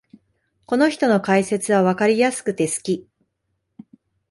この人の解説はわかりやすくて好き